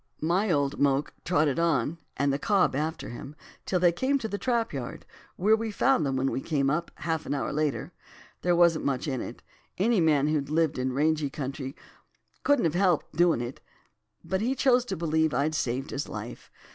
My old moke trotted on, and the cob after him, till they came to the trap yard, where we found them when we came up, half an hour after. There wasn't much in it. Any man who'd lived in rangey country couldn't have helped doin' it; but he chose to believe I'd saved his life.